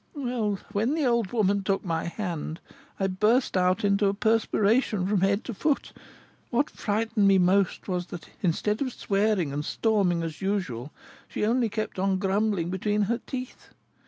Well, when the old woman took my hand, I burst out into a perspiration from head to foot. What frightened me most was, that, instead of swearing and storming as usual, she only kept on grumbling between her teeth.